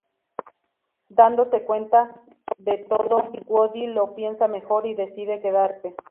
Dándose cuenta de todo Woody lo piensa mejor y decide quedarse.